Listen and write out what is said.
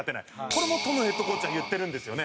これもトムヘッドコーチは言ってるんですよね。